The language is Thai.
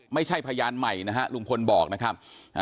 ไม่ใช่พยานใหม่นะครับลุงพลบอกนะครับ